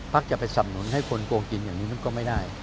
ปรับไปสำนวนให้คนโกงกินอย่างนี้ก็ไม่ได้